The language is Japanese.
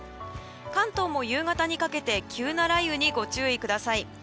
関東も夕方にかけて急な雷雨にご注意ください。